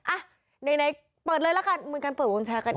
อะไหนเปิดเลยละกันเหมือนกันเปิดวงแชร์กันอีก